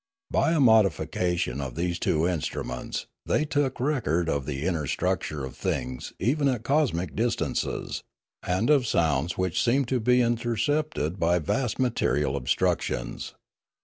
By a modi fication of these two instruments they took record of the inner structure of things even at cosmic distances, and of sounds which seemed to be intercepted by vast material obstructions.